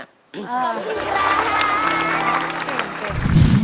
ขอบคุณพี่สน